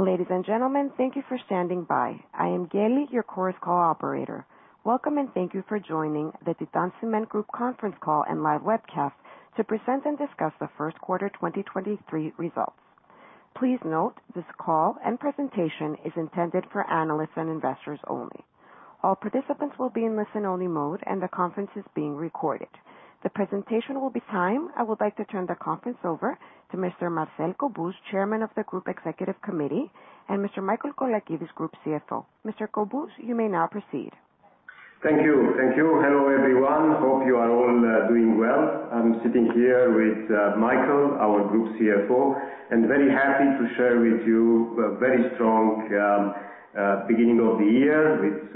Ladies and gentlemen, thank you for standing by. I am Gaily, your Chorus Call operator. Welcome, and thank you for joining the TITAN Cement Group conference call and live webcast to present and discuss the Q1 2023 results. Please note this call and presentation is intended for analysts and investors only. All participants will be in listen-only mode and the conference is being recorded. The presentation will begin. I would like to turn the conference over to Mr. Marcel Cobuz, Chairman of the Group Executive Committee, and Mr. Michael Colakides, Group CFO. Mr. Cobuz, you may now proceed. Thank you. Thank you. Hello, everyone. Hope you are all doing well. I'm sitting here with Michael, our Group CFO, and very happy to share with you a very strong beginning of the year with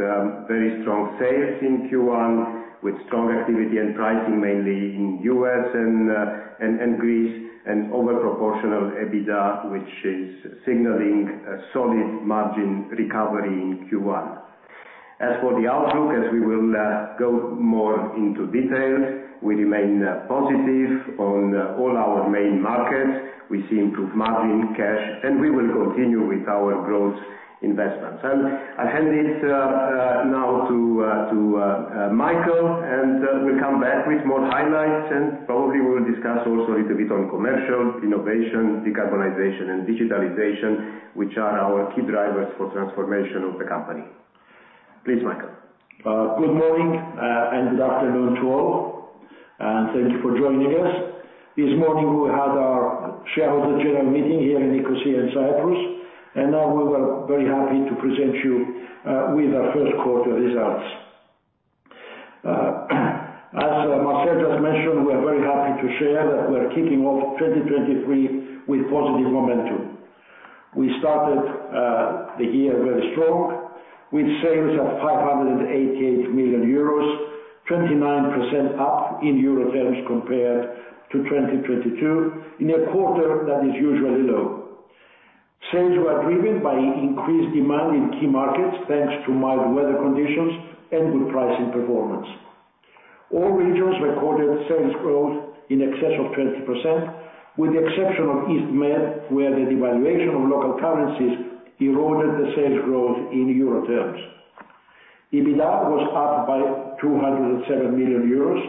very strong sales in Q1, with strong activity and pricing, mainly in U.S. and Greece and over-proportional EBITDA, which is signaling a solid margin recovery in Q1. As for the outlook, as we will go more into detail, we remain positive on all our main markets. We see improved margin, cash, and we will continue with our growth investments. I hand it now to Michael, and we'll come back with more highlights and probably we'll discuss also a little bit on commercial, innovation, decarbonization and digitalization, which are our key drivers for transformation of the company. Please, Michael. Good morning, and good afternoon to all, and thank you for joining us. This morning we had our shareholder general meeting here in Nicosia in Cyprus, and now we were very happy to present you with our Q1 results. As Marcel just mentioned, we're very happy to share that we're kicking off 2023 with positive momentum. We started the year very strong, with sales of 588 million euros, 29% up in euro terms compared to 2022 in a quarter that is usually low. Sales were driven by increased demand in key markets, thanks to mild weather conditions and good pricing performance. All regions recorded sales growth in excess of 20% with the exception of East Med, where the devaluation of local currencies eroded the sales growth in euro terms. EBITDA was up by 207 million euros,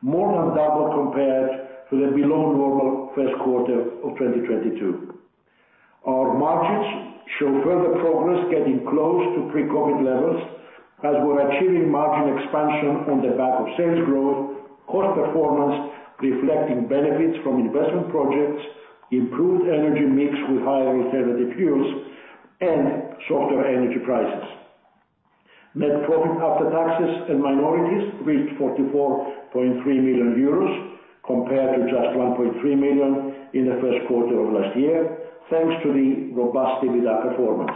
more than double compared to the below normal Q1 of 2022. Our margins show further progress getting close to pre-COVID levels as we're achieving margin expansion on the back of sales growth, cost performance reflecting benefits from investment projects, improved energy mix with higher alternative fuels and softer energy prices. Net profit after taxes and minorities reached 44.3 million euros compared to just 1.3 million in the Q1 of last year, thanks to the robust EBITDA performance.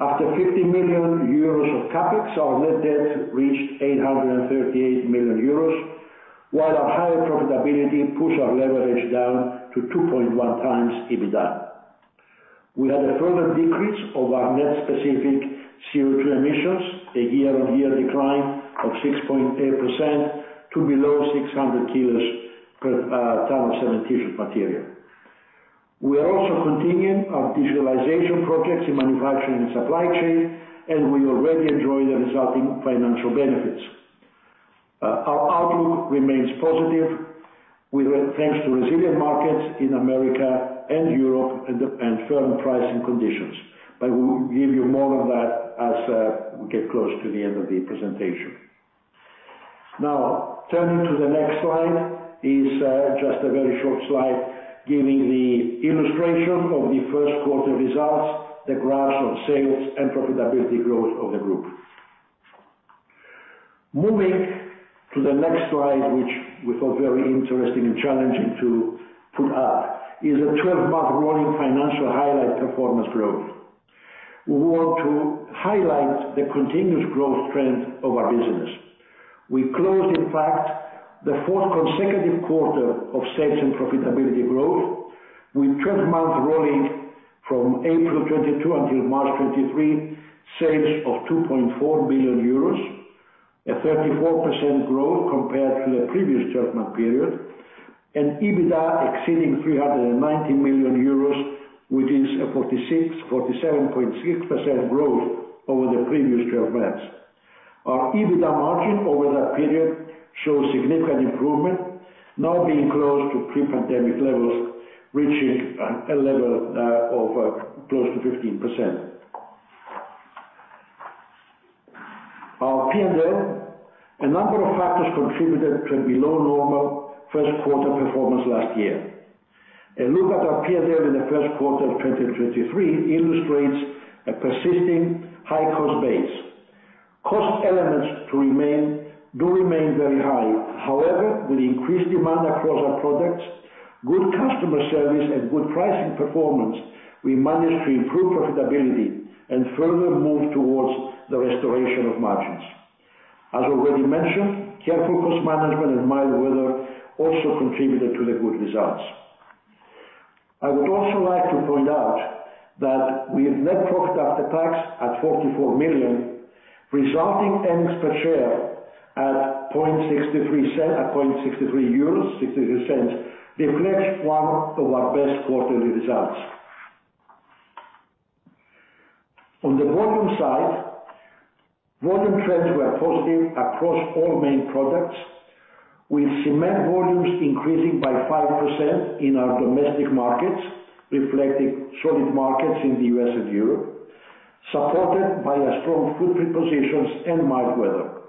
After 50 million euros of CapEx, our net debt reached 838 million euros, while our higher profitability pushed our leverage down to 2.1 times EBITDA. We had a further decrease of our net specific CO2 emissions, a year-on-year decline of 6.8% to below 600 kilos per ton of cementitious material. We are also continuing our digitalization projects in manufacturing and supply chain, and we already enjoy the resulting financial benefits. Our outlook remains positive thanks to resilient markets in America and Europe and firm pricing conditions. We will give you more on that as we get close to the end of the presentation. Turning to the next slide, is just a very short slide, giving the illustration of the Q1 results, the graphs of sales and profitability growth of the Group. Moving to the next slide, which we thought very interesting and challenging to put up, is a 12-month rolling financial highlight performance growth. We want to highlight the continuous growth trend of our business. We closed, in fact, the fourth consecutive quarter of sales and profitability growth with 12-month rolling from April 2022 until March 2023, sales of 2.4 billion euros, a 34% growth compared to the previous 12-month period, and EBITDA exceeding 390 million euros, which is a 47.6% growth over the previous 12 months. Our EBITDA margin over that period shows significant improvement, now being close to pre-pandemic levels, reaching a level of close to 15%. Our P&L. A number of factors contributed to a below normal Q1 performance last year. A look at our P&L in the Q1 of 2023 illustrates a persisting high cost base. Cost elements do remain very high. With increased demand across our products, good customer service and good pricing performance, we managed to improve profitability and further move towards the restoration of margins. As already mentioned, careful cost management and mild weather also contributed to the good results. That with net profit after tax at 44 million, resulting earnings per share at 0.63, reflects one of our best quarterly results. On the volume side, volume trends were positive across all main products, with cement volumes increasing by 5% in our domestic markets, reflecting solid markets in the U.S. and Europe, supported by a strong footprint positions and mild weather.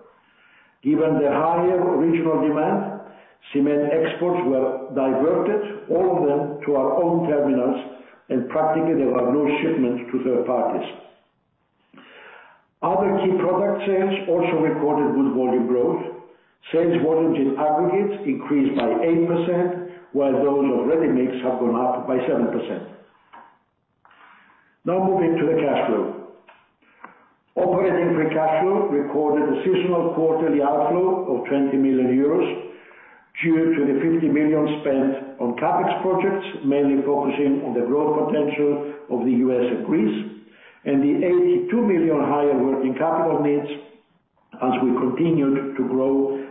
Given the higher regional demand, cement exports were diverted, all of them to our own terminals, and practically, there were no shipments to third parties. Other key product sales also recorded good volume growth. Sales volume in aggregates increased by 8%, while those of ready-mix have gone up by 7%. Moving to the cash flow. Operating free cash flow recorded a seasonal quarterly outflow of 20 million euros due to the 50 million spent on CapEx projects, mainly focusing on the growth potential of the US and Greece, and the 82 million higher working capital needs as we continued to grow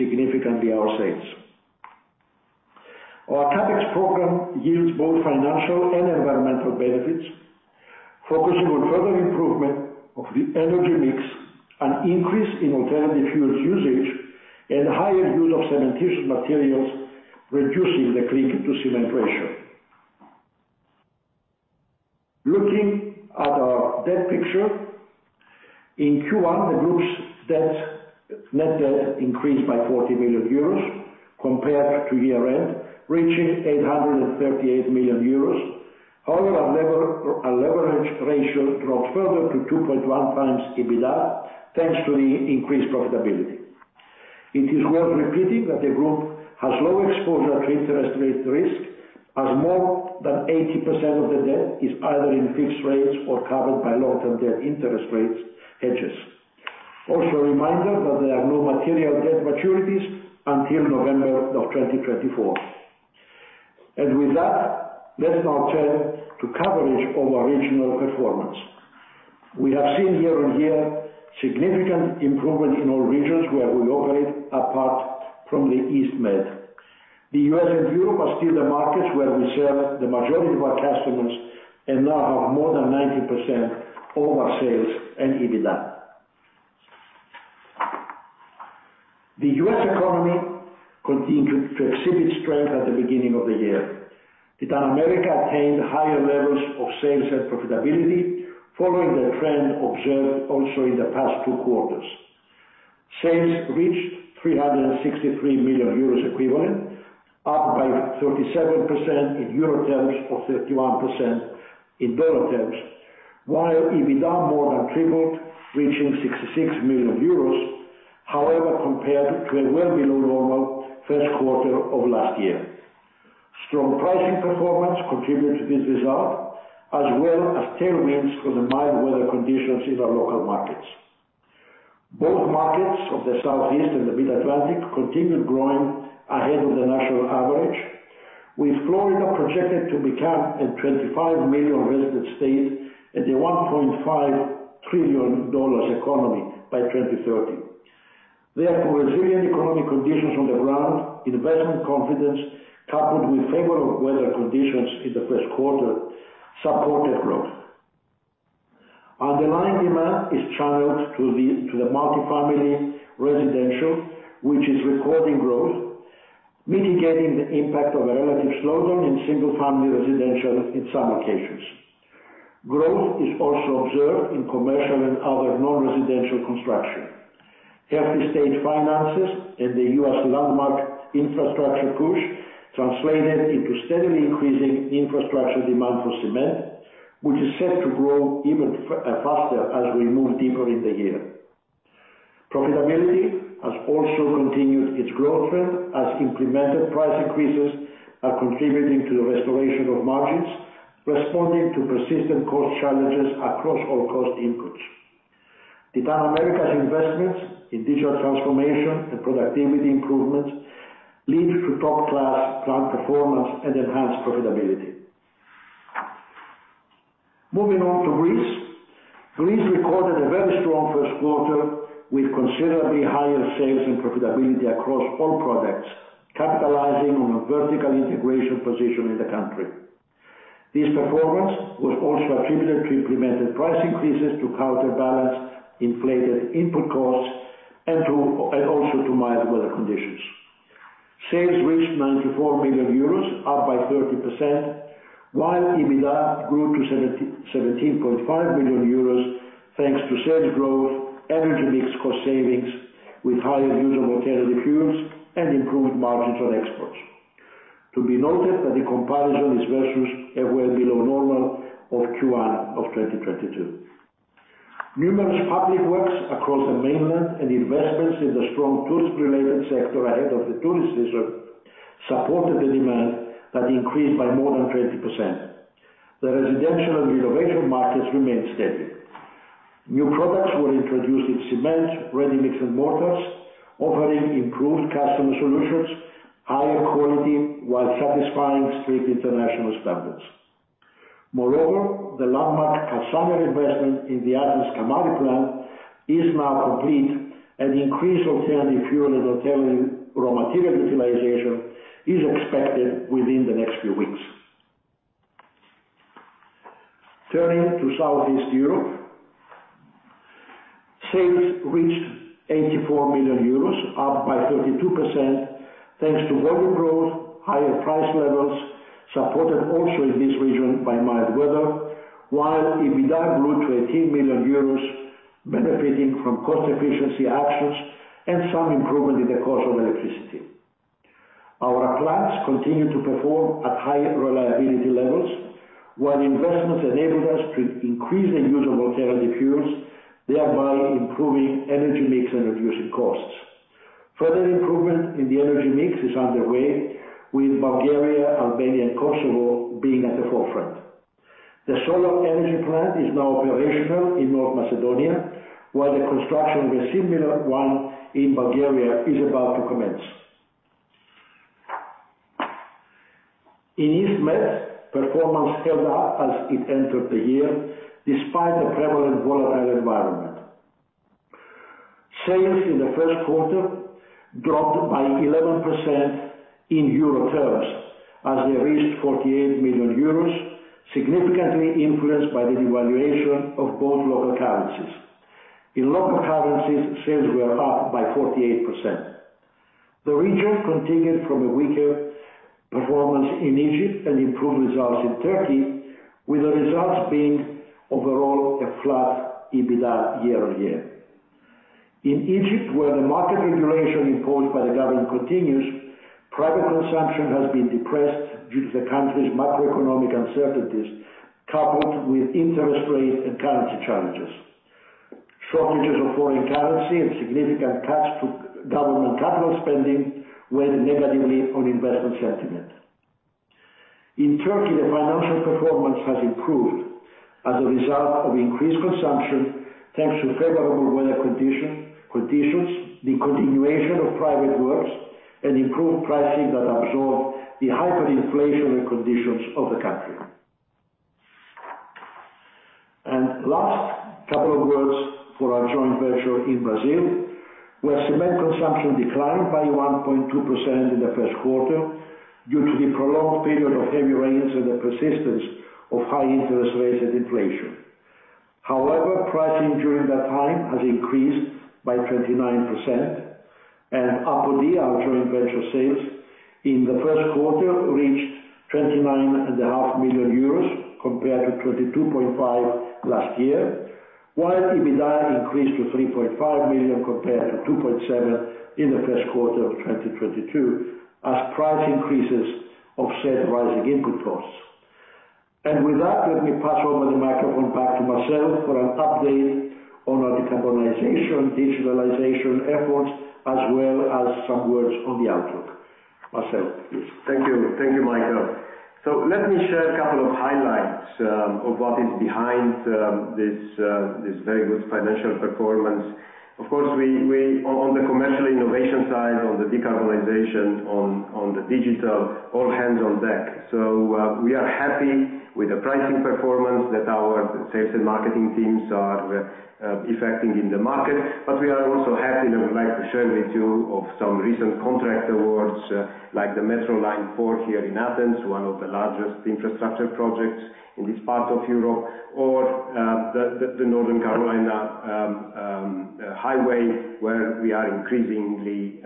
significantly our sales. Our CapEx program yields both financial and environmental benefits, focusing on further improvement of the energy mix, an increase in alternative fuels usage, and higher use of cementitious materials, reducing the clinker-to-cement ratio. Looking at our debt picture. In Q1, the group's debt, net debt increased by 40 million euros compared to year-end, reaching 838 million euros. Our leverage ratio dropped further to 2.1 times EBITA, thanks to the increased profitability. It is worth repeating that the group has low exposure to interest rate risk, as more than 80% of the debt is either in fixed rates or covered by long-term debt interest rates hedges. A reminder that there are no material debt maturities until November of 2024. With that, let's now turn to coverage of our regional performance. We have seen year-on-year significant improvement in all regions where we operate, apart from the East Med. The U.S. and Europe are still the markets where we serve the majority of our customers and now have more than 90% of our sales and EBITA. The U.S. economy continued to exhibit strength at the beginning of the year. Titan America attained higher levels of sales and profitability following the trend observed also in the past 2 quarters. Sales reached 363 million euros equivalent, up by 37% in euro terms or 31% in dollar terms. While EBITA more than tripled, reaching 66 million euros, however, compared to a well below normal Q1 of last year. Strong pricing performance contributed to this result, as well as tailwinds from the mild weather conditions in our local markets. Both markets of the Southeast and the Mid-Atlantic continued growing ahead of the national average, with Florida projected to become a 25 million resident state at a $1.5 trillion economy by 2030. Therefore, resilient economic conditions on the ground, investment confidence, coupled with favorable weather conditions in the Q1, supported growth. Underlying demand is channeled to the multi-family residential, which is recording growth, mitigating the impact of a relative slowdown in single-family residential in some locations. Growth is also observed in commercial and other non-residential construction. Healthy state finances and the U.S. landmark infrastructure push translated into steadily increasing infrastructure demand for cement, which is set to grow even faster as we move deeper in the year. Profitability has also continued its growth trend as implemented price increases are contributing to the restoration of margins, responding to persistent cost challenges across all cost inputs. Titan America's investments in digital transformation and productivity improvement lead to top-class plant performance and enhanced profitability. Moving on to Greece. Greece recorded a very strong Q1 with considerably higher sales and profitability across all products, capitalizing on a vertical integration position in the country. This performance was also attributed to implemented price increases to counterbalance inflated input costs and also to mild weather conditions. Sales reached 94 million euros, up by 30%, while EBITA grew to 17.5 million euros, thanks to sales growth, energy mix cost savings with higher use of alternative fuels and improved margins on exports. To be noted that the comparison is versus a well below normal of Q1 of 2022. Numerous public works across the mainland and investments in the strong tourist-related sector ahead of the tourist season supported the demand that increased by more than 20%. The residential and renovation markets remained steady. New products were introduced in cement, ready-mix and mortars, offering improved customer solutions, higher quality, while satisfying strict international standards. Moreover, the landmark Kassandra investment in the Athens Kamari plant is now complete, and the increase of alternative fuel and alternative raw material utilization is expected within the next few weeks. Turning to Southeast Europe. Sales reached 84 million euros, up by 32%, thanks to volume growth, higher price levels, supported also in this region by mild weather. EBITDA grew to 18 million euros, benefiting from cost efficiency actions and some improvement in the cost of electricity. Our plants continue to perform at high reliability levels, while investments enabled us to increase the use of alternative fuels, thereby improving energy mix and reducing costs. Further improvement in the energy mix is underway, with Bulgaria, Albania, and Kosovo being at the forefront. The solar energy plant is now operational in North Macedonia, while the construction of a similar one in Bulgaria is about to commence. In East Med, performance held up as it entered the year despite a prevalent volatile environment. Sales in the Q1 dropped by 11% in Euro terms as they reached 48 million euros, significantly influenced by the devaluation of both local currencies. In local currencies, sales were up by 48%. The region continued from a weaker performance in Egypt and improved results in Turkey, with the results being overall a flat EBITDA year-over-year. In Egypt, where the market regulation imposed by the government continues, private consumption has been depressed due to the country's macroeconomic uncertainties, coupled with interest rate and currency challenges. Shortages of foreign currency and significant cuts to government capital spending weighed negatively on investment sentiment. In Turkey, the financial performance has improved as a result of increased consumption, thanks to favorable weather conditions, the continuation of private works, and improved pricing that absorbed the hyperinflationary conditions of the country. Last couple of words for our joint venture in Brazil, where cement consumption declined by 1.2% in the Q1 due to the prolonged period of heavy rains and the persistence of high interest rates and inflation. However, pricing during that time has increased by 29%. Apodi, our joint venture sales in the Q1 reached 29 and a half million compared to 22.5 last year. While EBITDA increased to 3.5 million compared to 2.7 in the Q1 of 2022 as price increases offset rising input costs. With that, let me pass over the microphone back to Marcel for an update on our decarbonization, digitalization efforts, as well as some words on the outlook. Marcel, please. Thank you. Thank you, Michael. Let me share a couple of highlights of what is behind this very good financial performance. Of course, we on the commercial innovation side, on the decarbonization, on the digital, all hands on deck. We are happy with the pricing performance that our sales and marketing teams are effecting in the market. We are also happy, and I would like to share with you of some recent contract awards, like the Metro Line four here in Athens, one of the largest infrastructure projects in this part of Europe, or the North Carolina highway, where we are increasingly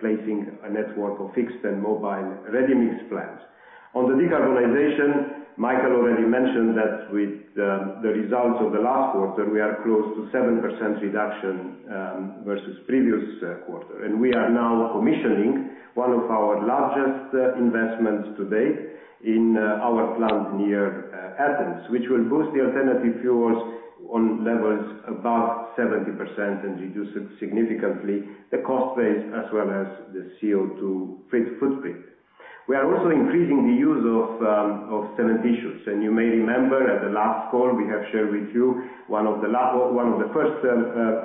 placing a network of fixed and mobile ready-mix plants. On the decarbonization, Michael already mentioned that with the results of the last quarter, we are close to 7% reduction versus previous quarter. We are now commissioning one of our largest investments to date in our plant near Athens, which will boost the alternative fuels on levels above 70% and reduce significantly the cost base as well as the CO₂ print footprint. We are also increasing the use of cementitious. You may remember at the last call we have shared with you one of the first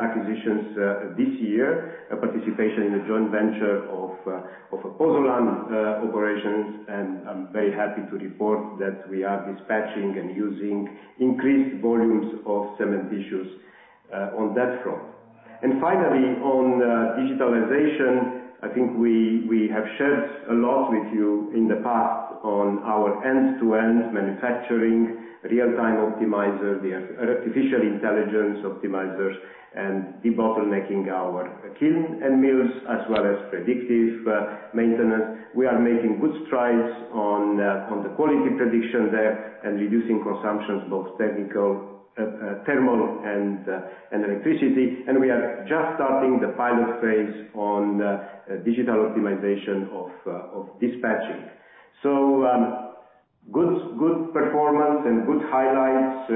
acquisitions this year, a participation in a joint venture of a pozzolan operations. I'm very happy to report that we are dispatching and using increased volumes of cementitious on that front. Finally, on digitalization, I think we have shared a lot with you in the past on our end-to-end manufacturing real-time optimizer, the artificial intelligence optimizers, and debottlenecking our kiln and mills, as well as predictive maintenance. We are making good strides on the quality prediction there and reducing consumptions, both technical, thermal and electricity. We are just starting the pilot phase on digital optimization of dispatching. Good performance and good highlights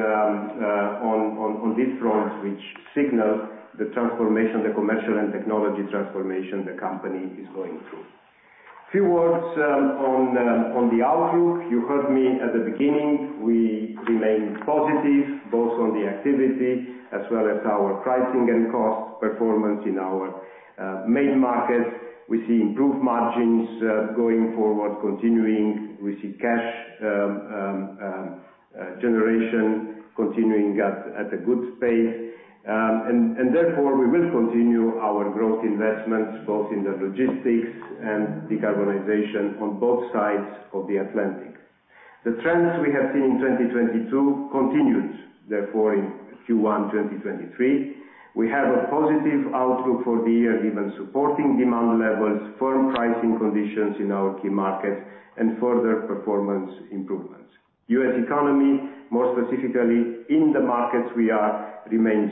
on this front, which signal the transformation, the commercial and technology transformation the company is going through. Few words on the outlook. You heard me at the beginning. We remain positive both on the activity as well as our pricing and cost performance in our main markets. We see improved margins going forward continuing. We see cash generation continuing at a good pace. Therefore we will continue our growth investments both in the logistics and decarbonization on both sides of the Atlantic. The trends we have seen in 2022 continues, therefore, in Q1 2023. We have a positive outlook for the year, given supporting demand levels, firm pricing conditions in our key markets and further performance improvements. U.S. economy, more specifically in the markets we are, remains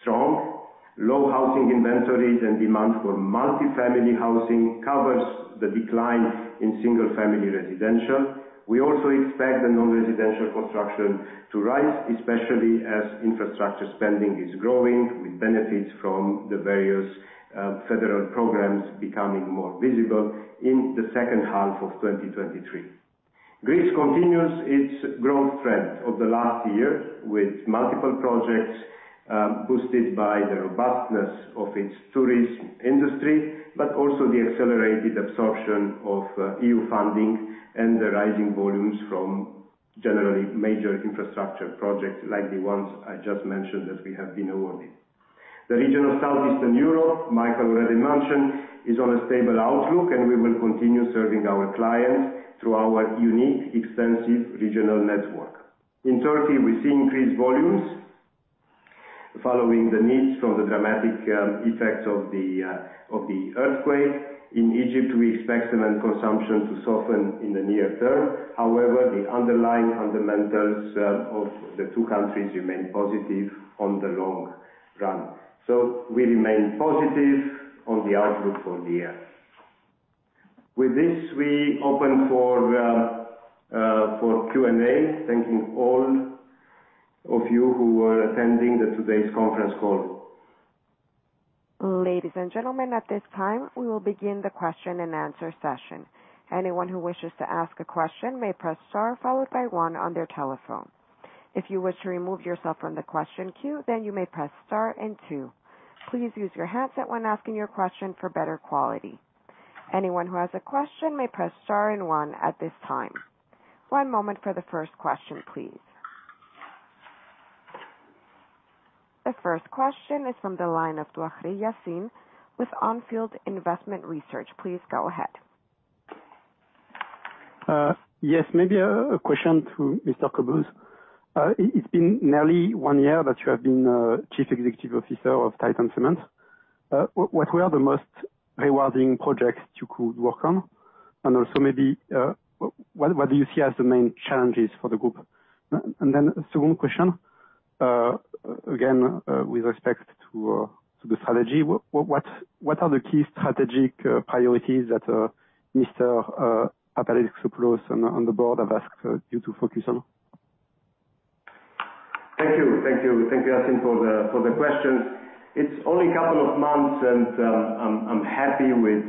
strong. Low housing inventories and demand for multi-family housing covers the decline in single-family residential. We also expect the non-residential construction to rise, especially as infrastructure spending is growing, with benefits from the various federal programs becoming more visible in the second half of 2023. Greece continues its growth trend of the last year, with multiple projects, boosted by the robustness of its tourism industry, but also the accelerated absorption of EU funding and the rising volumes from generally major infrastructure projects like the ones I just mentioned that we have been awarded. The region of Southeastern Europe, Michael already mentioned, is on a stable outlook, and we will continue serving our clients through our unique extensive regional network. In Turkey, we see increased volumes following the needs from the dramatic effects of the earthquake. In Egypt, we expect cement consumption to soften in the near term. However, the underlying fundamentals of the two countries remain positive on the long run. We remain positive on the outlook for the year. With this, we open for Q&A, thanking all of you who are attending the today's conference call. Ladies and gentlemen, at this time, we will begin the question-and-answer session. Anyone who wishes to ask a question may press star 1 on their telephone. If you wish to remove yourself from the question queue, you may press star 2. Please use your headset when asking your question for better quality. Anyone who has a question may press star 1 at this time. One moment for the first question, please. The first question is from the line of Yassine Touahri with On Field Investment Research. Please go ahead. Yes, maybe a question to Mr. Cobuz. It's been nearly one year that you have been chief executive officer of TITAN Cement. What were the most rewarding projects you could work on? Also maybe, what do you see as the main challenges for the group? Then second question, again, with respect to the strategy, what are the key strategic priorities that Mr. Papadimitriou and the board have asked you to focus on? Thank you. Thank you. Thank you, Yassine, for the question. It's only a couple of months and I'm happy with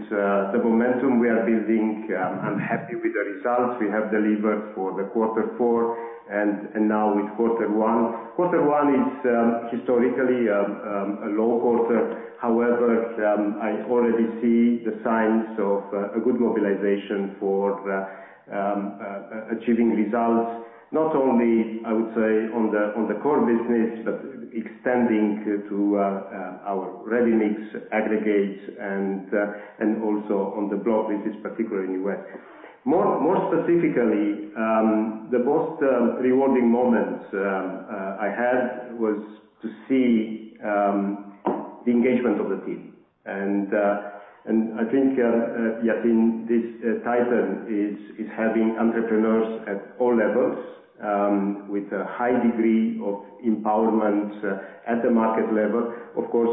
the momentum we are building. I'm happy with the results we have delivered for quarter four and now with quarter one. Quarter one is historically a low quarter. However, I already see the signs of a good mobilization for achieving results, not only I would say on the core business, but extending to our ready mix aggregates and also on the block business, particularly in U.S. More specifically, the most rewarding moments I had was to see the engagement of the team. I think Yassine, this TITAN is having entrepreneurs at all levels with a high degree of empowerment at the market level, of course,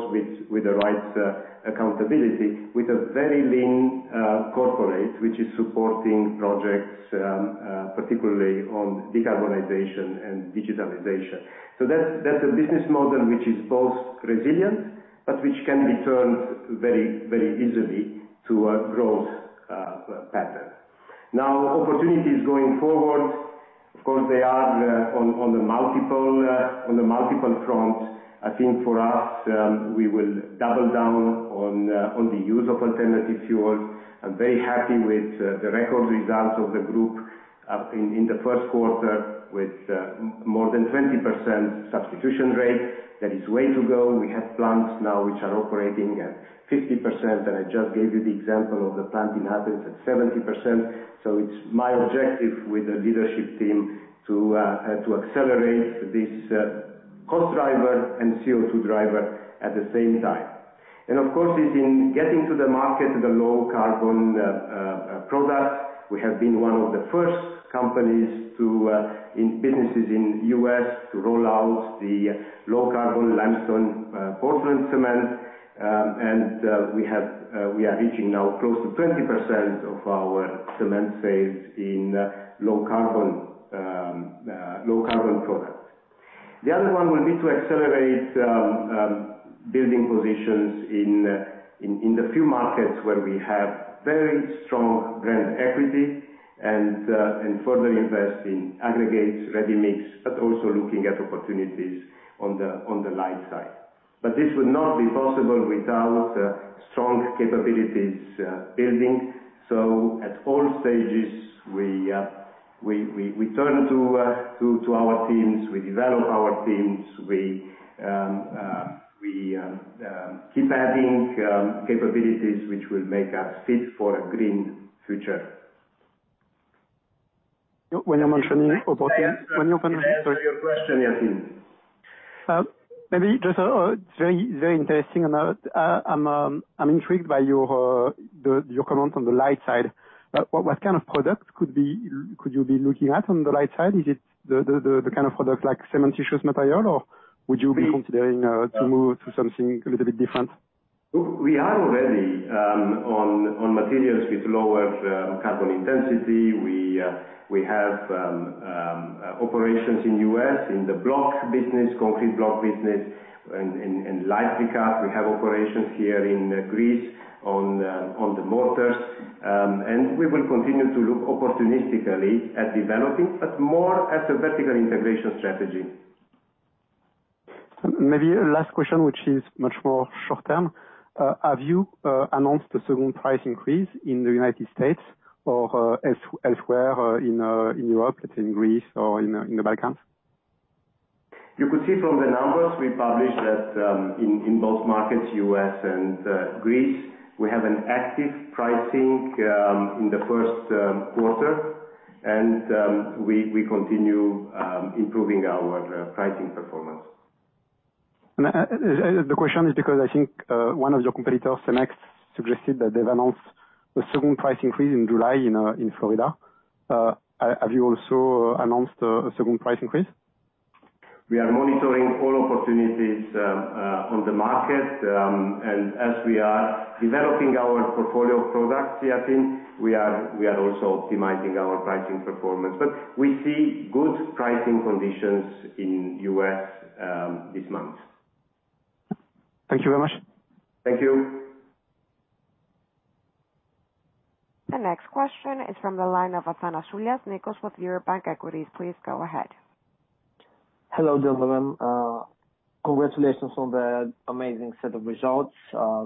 with the right accountability, with a very lean corporate, which is supporting projects particularly on decarbonization and digitalization. That's, that's a business model which is both resilient, but which can be turned very, very easily to a growth pattern. Opportunities going forward, of course, they are on the multiple fronts. I think for us, we will double down on the use of alternative fuels. I'm very happy with the record results of the group in the Q1 with more than 20% substitution rate. There is way to go. We have plants now which are operating at 50%, and I just gave you the example of the plant in Athens at 70%. It's my objective with the leadership team to accelerate this cost driver and CO2 driver at the same time. Of course, it's in getting to the market, the low carbon product. We have been one of the first companies to in businesses in U.S. to roll out the low carbon limestone, Portland-limestone cement. We have, we are reaching now close to 20% of our cement sales in low carbon, low carbon products. The other one will be to accelerate building positions in the few markets where we have very strong brand equity and further invest in aggregates, ready mix, but also looking at opportunities on the, on the light side. This would not be possible without strong capabilities building. At all stages, we turn to our teams, we develop our teams, we keep adding capabilities which will make us fit for a green future. When you're mentioning opportunities. When you To answer your question, Yassine. Maybe just very interesting, and I'm intrigued by your comment on the light side. What kind of product could you be looking at on the light side? Is it the kind of product like cementitious material, or would you be considering to move to something a little bit different? We are already on materials with lower carbon intensity. We have operations in U.S. in the block business, concrete block business and lightweight cast. We have operations here in Greece on the mortars. We will continue to look opportunistically at developing, but more at a vertical integration strategy. Maybe last question, which is much more short term. Have you announced a second price increase in the United States or elsewhere, in Europe, in Greece or in the Balkans? You could see from the numbers we published that in both markets, U.S. and Greece, we have an active pricing in the Q1. We continue improving our pricing performance. The question is because I think one of your competitors, Cemex, suggested that they've announced a second price increase in July in Florida. Have you also announced a second price increase? We are monitoring all opportunities on the market. As we are developing our portfolio of products, Yassine, we are also optimizing our pricing performance. We see good pricing conditions in U.S., this month. Thank you very much. Thank you. The next question is from the line of Athanasios Nikou with Eurobank Equities. Please go ahead. Hello, gentlemen. Congratulations on the amazing set of results.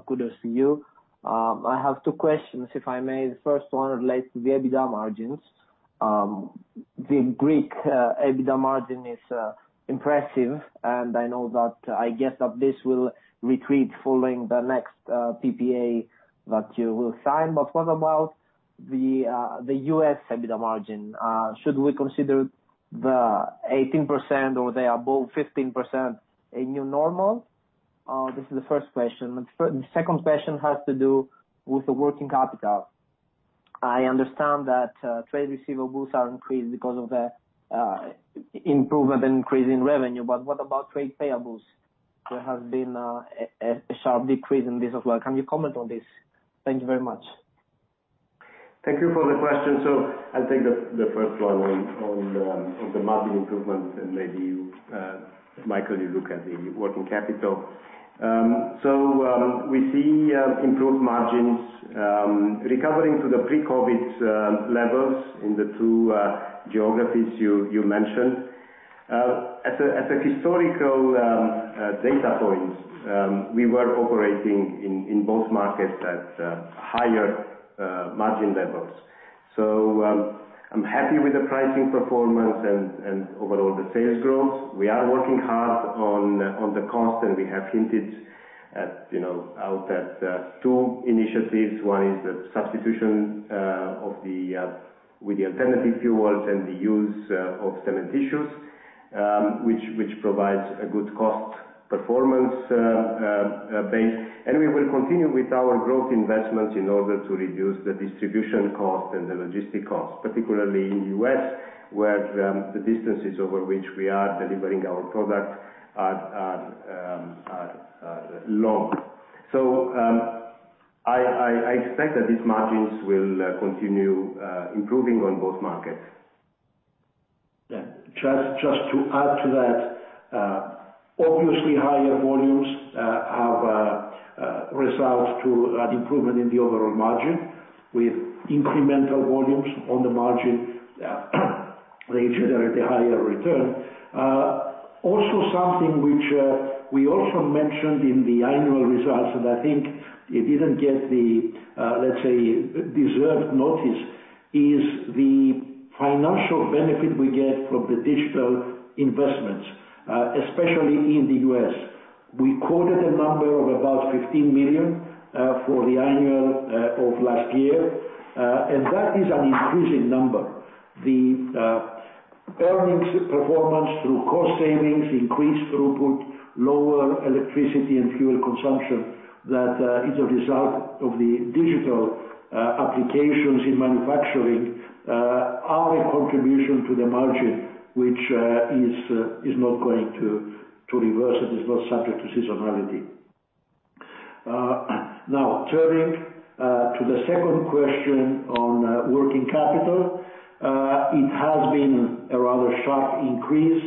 Kudos to you. I have two questions, if I may. The first one relates to the EBITDA margins. The Greek EBITDA margin is impressive, and I guess that this will retreat following the next PPA that you will sign. What about the U.S. EBITDA margin? Should we consider the 18% or the above 15% a new normal? This is the first question. The second question has to do with the working capital. I understand that trade receivables are increased because of the improvement increase in revenue, but what about trade payables? There has been a sharp decrease in this as well. Can you comment on this? Thank you very much. I'll take the first one on the margin improvement, and maybe Michael, you look at the working capital. We see improved margins recovering to the pre-COVID levels in the 2 geographies you mentioned. At a historical data points, we were operating in both markets at higher margin levels. I'm happy with the pricing performance and overall the sales growth. We are working hard on the cost, and we have hinted at, you know, 2 initiatives. One is the substitution of the alternative fuels and the use of cementitious, which provides a good cost performance base. We will continue with our growth investments in order to reduce the distribution cost and the logistic cost, particularly in U.S., where the distances over which we are delivering our products are long. I expect that these margins will continue improving on both markets. Yeah. Just to add to that, obviously higher volumes have resolved to an improvement in the overall margin with incremental volumes on the margin, they generate a higher return. Also something which we also mentioned in the annual results, I think it didn't get the, let's say, deserved notice, is the financial benefit we get from the digital investments, especially in the U.S. We quoted a number of about 15 million for the annual of last year, that is an increasing number. The earnings performance through cost savings, increased throughput, lower electricity and fuel consumption that is a result of the digital applications in manufacturing, are a contribution to the margin which is not going to reverse. It is not subject to seasonality. Now turning the second question on working capital. It has been a rather sharp increase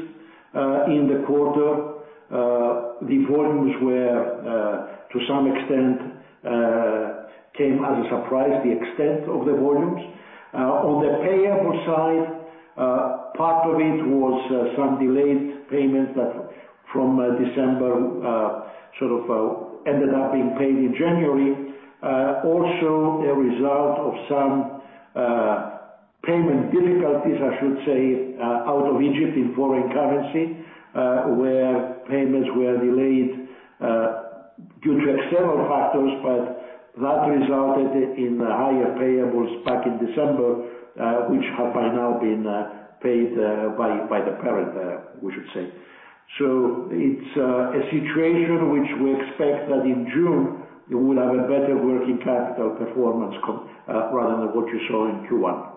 in the quarter. The volumes were to some extent came as a surprise, the extent of the volumes. On the payable side, part of it was some delayed payments that from December sort of ended up being paid in January. Also a result of some payment difficulties, I should say, out of Egypt in foreign currency, where payments were delayed due to external factors. That resulted in higher payables back in December, which have by now been paid by the parent, we should say. It's a situation which we expect that in June we will have a better working capital performance rather than what you saw in Q1.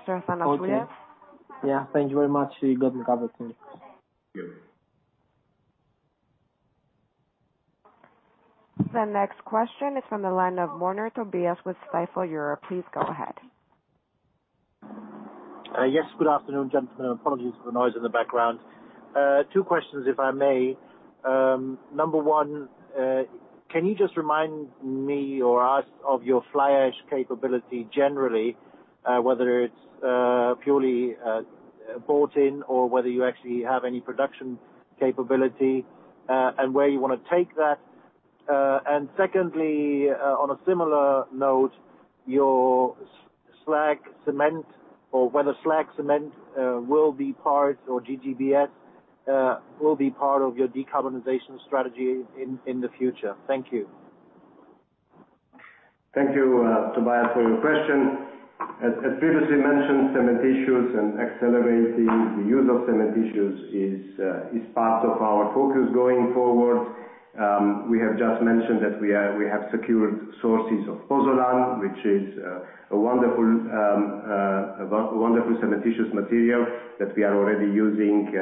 Mr. Hassan Abdullah. Yeah, thank you very much. You got me covered. Thanks. Thank you. The next question is from the line of Tobias Woerner with Stifel Europe. Please go ahead. Yes, good afternoon, gentlemen. Apologies for the noise in the background. Two questions if I may. Number one, can you just remind me or us of your fly ash capability generally, whether it's purely bought in or whether you actually have any production capability, and where you wanna take that? Secondly, on a similar note, your slag cement or whether slag cement will be part or GGBS will be part of your decarbonization strategy in the future. Thank you. Thank you, Tobias, for your question. As previously mentioned, cementitious and accelerating the use of cementitious is part of our focus going forward. We have just mentioned that we have secured sources of pozzolan, which is a wonderful, a wonderful cementitious material that we are already using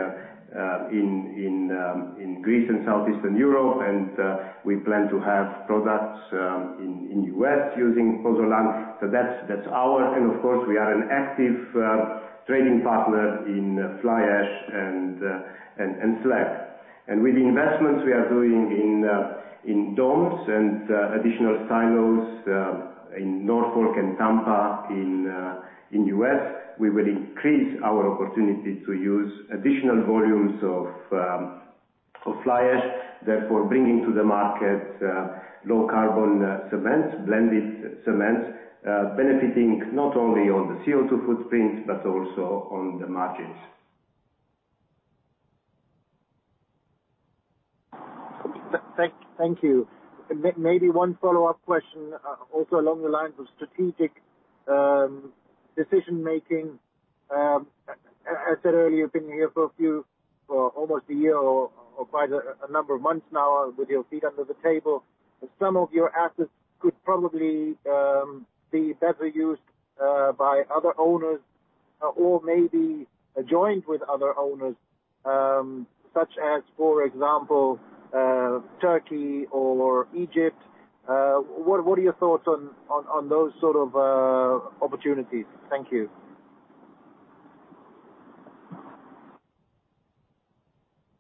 in Greece and Southeastern Europe. We plan to have products in U.S. using pozzolan. That's our. Of course, we are an active trading partner in fly ash and slag. With the investments we are doing in domes and additional silos in Norfolk and Tampa in the U.S., we will increase our opportunity to use additional volumes of fly ash, therefore bringing to the market low-carbon cements, blended cements, benefiting not only on the CO2 footprints, but also on the margins. Thank you. Maybe one follow-up question, also along the lines of strategic decision making. As I said earlier, I've been here for almost a year or quite a number of months now with your feet under the table. Some of your assets could probably be better used by other owners or maybe adjoined with other owners, such as, for example, Turkey or Egypt. What are your thoughts on those sort of opportunities? Thank you.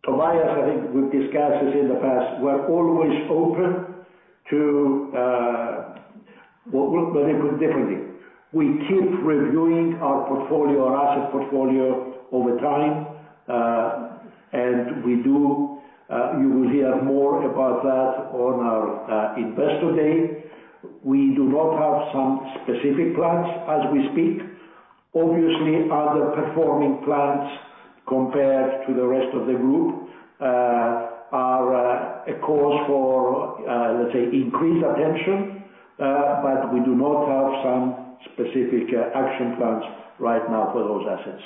Tobias, I think we've discussed this in the past. We're always open to. We'll put it differently. We keep reviewing our portfolio, our asset portfolio over time, and we do, you will hear more about that on our Investor Day. We do not have some specific plans as we speak. Obviously, other performing plans compared to the rest of the Group, are a cause for, let's say, increased attention. We do not have some specific action plans right now for those assets.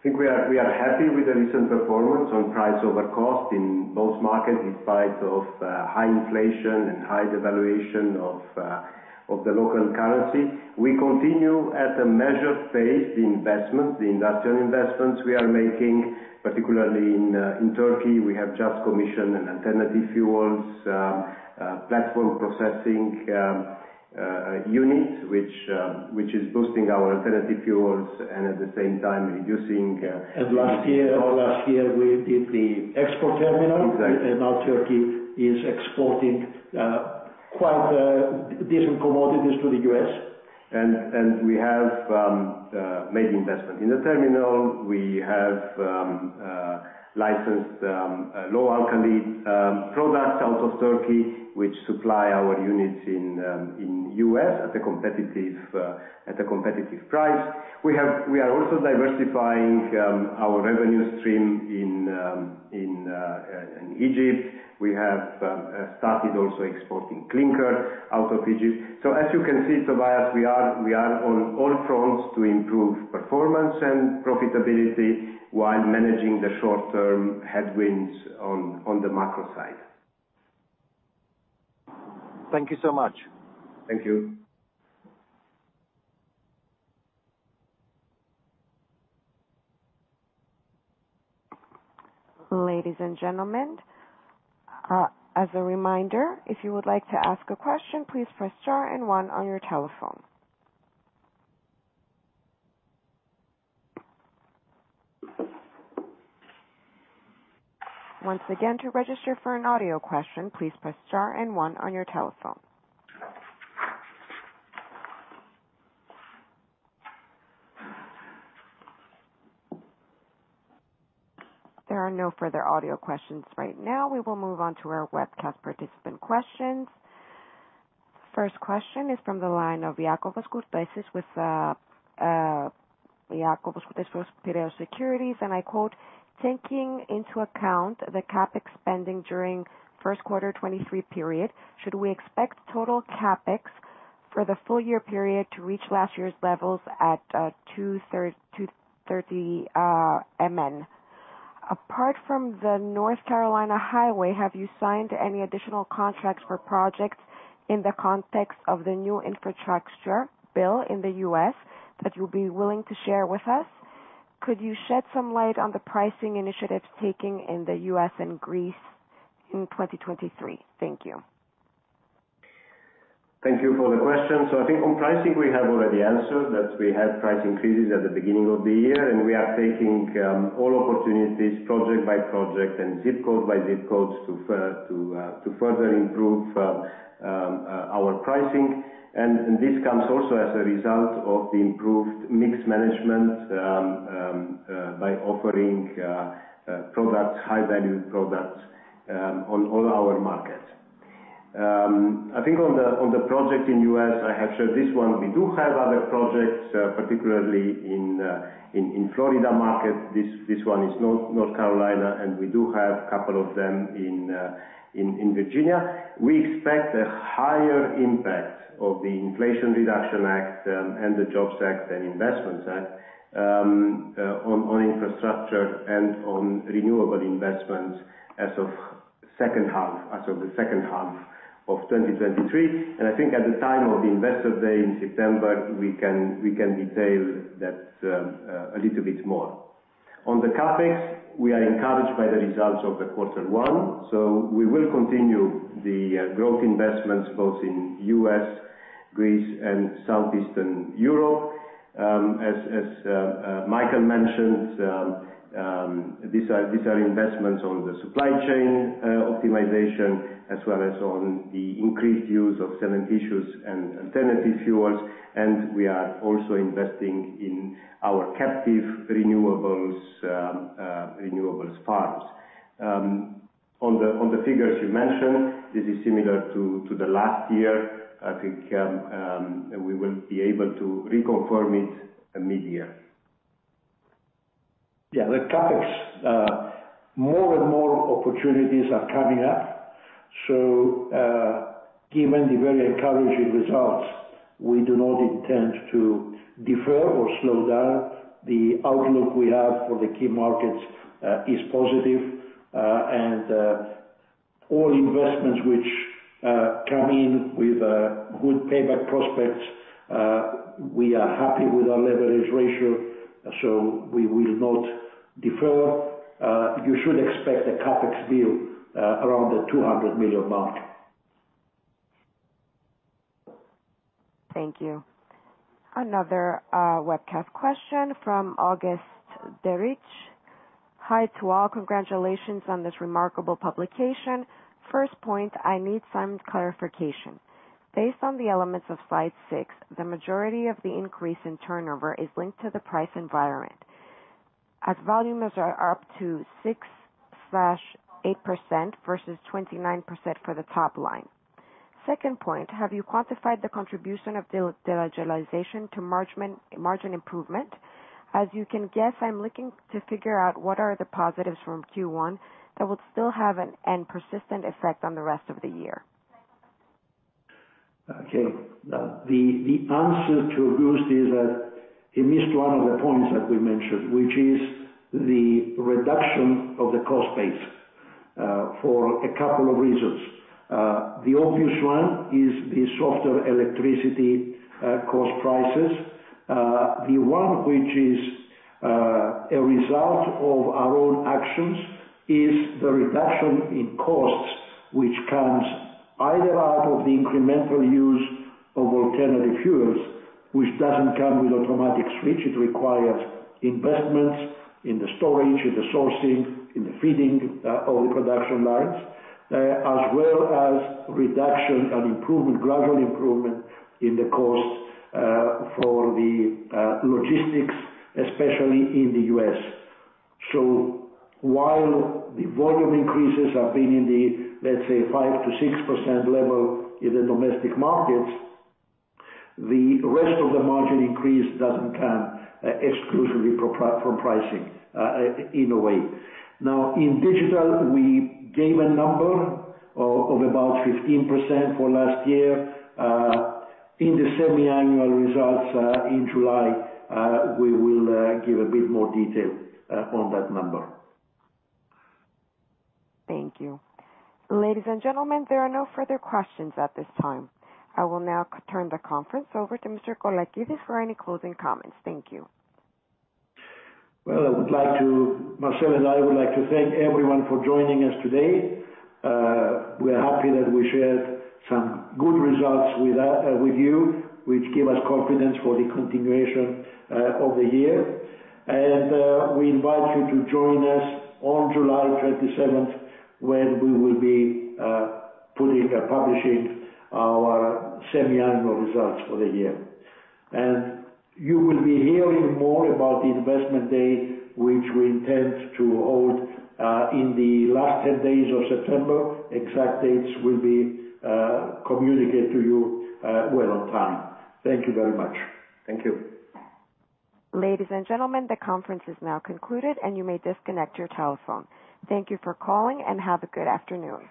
I think we are happy with the recent performance on price over cost in both markets in spite of high inflation and high devaluation of the local currency. We continue at a measured pace, the investments, the industrial investments we are making, particularly in Turkey. We have just commissioned an alternative fuels platform processing unit, which is boosting our alternative fuels and at the same time reducing. Last year we did the export terminal. Exactly. Now Turkey is exporting, quite, decent commodities to the U.S. We have made investment in the terminal. We have licensed low-alkali products out of Turkey, which supply our units in U.S. at a competitive price. We are also diversifying our revenue stream in Egypt. We have started also exporting clinker out of Egypt. As you can see, Tobias, we are on all fronts to improve performance and profitability while managing the short-term headwinds on the macro side. Thank you so much. Thank you. Ladies and gentlemen, as a reminder, if you would like to ask a question, please press star and one on your telephone. Once again, to register for an audio question, please press star and 1 on your telephone. There are no further audio questions right now. We will move on to our webcast participant questions. First question is from the line of Yiannis Kourassis with Yiannis Kourassis Securities. I quote, "Taking into account the CapEx spending during Q1 2023 period, should we expect total CapEx for the full year period to reach last year's levels at 230 million? Apart from the North Carolina highway, have you signed any additional contracts for projects in the context of the new infrastructure bill in the U.S. that you'll be willing to share with us? Could you shed some light on the pricing initiatives taking in the U.S. and Greece in 2023? Thank you. Thank you for the question. I think on pricing, we have already answered that we had price increases at the beginning of the year, and we are taking all opportunities project by project and ZIP code by ZIP code to further improve our pricing. And this comes also as a result of the improved mix management by offering products, high-value products, on all our markets. I think on the project in U.S., I have shared this one. We do have other projects, particularly in Florida market. This one is North Carolina, and we do have a couple of them in Virginia. We expect a higher impact of the Inflation Reduction Act and the Jobs Act and Investment Act on infrastructure and on renewable investments as of the second half of 2023. I think at the time of Investor Day in September, we can detail that a little bit more. On the CapEx, we are encouraged by the results of the quarter one, so we will continue the growth investments both in U.S., Greece and Southeastern Europe. As Michael mentioned, these are investments on the supply chain optimization as well as on the increased use of cementitious and alternative fuels. We are also investing in our captive renewables farms. On the figures you mentioned, this is similar to the last year. I think, we will be able to reconfirm it mid-year. Yeah. The CapEx, more and more opportunities are coming up. Given the very encouraging results, we do not intend to defer or slow down. The outlook we have for the key markets is positive. All investments which come in with good payback prospects, we are happy with our leverage ratio, so we will not defer. You should expect the CapEx bill around the 200 million mark. Thank you. Another webcast question from August Derich. Hi to all. Congratulations on this remarkable publication. First point, I need some clarification. Based on the elements of slide 6, the majority of the increase in turnover is linked to the price environment as volumes are up to 6%-8% versus 29% for the top line. Second point, have you quantified the contribution of de-digitalization to margin improvement? As you can guess, I'm looking to figure out what are the positives from Q1 that will still have an end persistent effect on the rest of the year. Okay. The answer to August is that he missed one of the points that we mentioned, which is the reduction of the cost base for a couple of reasons. The obvious one is the softer electricity cost prices. The one which is a result of our own actions is the reduction in costs, which comes either out of the incremental use of alternative fuels, which doesn't come with automatic switch. It requires investments in the storage, in the sourcing, in the feeding of the production lines, as well as reduction and improvement, gradual improvement in the cost for the logistics, especially in the US. While the volume increases have been in the, let's say, 5%-6% level in the domestic markets, the rest of the margin increase doesn't come exclusively from pricing in a way. In digital, we gave a number of about 15% for last year. In the semi-annual results in July, we will give a bit more detail on that number. Thank you. Ladies and gentlemen, there are no further questions at this time. I will now turn the conference over to Mr. Colakides for any closing comments. Thank you. Well, Marcel and I would like to thank everyone for joining us today. We are happy that we shared some good results with you, which give us confidence for the continuation of the year. We invite you to join us on July 27th, when we will be publishing our semi-annual results for the year. You will be hearing more about the Investor Day, which we intend to hold in the last 10 days of September. Exact dates will be communicated to you well on time. Thank you very much. Thank you. Ladies and gentlemen, the conference is now concluded, and you may disconnect your telephone. Thank you for calling, and have a good afternoon.